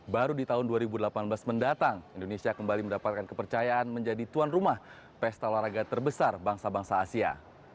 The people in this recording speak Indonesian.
baru di tahun dua ribu delapan belas mendatang indonesia kembali mendapatkan kepercayaan menjadi tuan rumah pesta olahraga terbesar bangsa bangsa asia